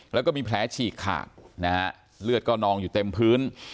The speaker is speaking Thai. แล้วก็มีแผลฉีกขาดนะฮะเลือดก็นองอยู่เต็มพื้น